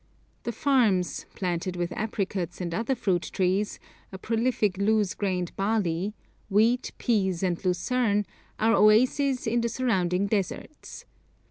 The farms, planted with apricot and other fruit trees, a prolific loose grained barley, wheat, peas, and lucerne, are oases in the surrounding deserts.